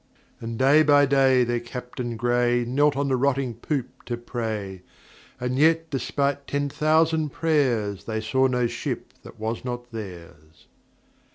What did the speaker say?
And day by day their Captain grey Knelt on the rotting poop to pray: And yet despite ten thousand prayers They saw no ship that was not theirs.